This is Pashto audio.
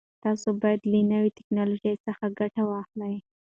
تاسو باید له نوي ټکنالوژۍ څخه ګټه واخلئ.